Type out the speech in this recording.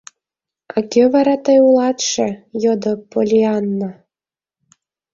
— А кӧ вара тый улатше? — йодо Поллианна.